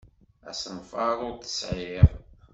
Asenfaṛ ur t-sɛiɣ.